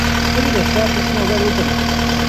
A vida é chata se não houver luta nela.